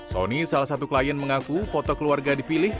sony salah satu klien mengaku foto keluarga dipilih